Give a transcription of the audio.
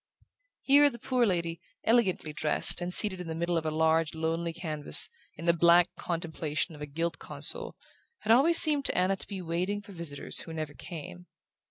Here the poor lady, elegantly dressed, and seated in the middle of a large lonely canvas, in the blank contemplation of a gilt console, had always seemed to Anna to be waiting for visitors who never came.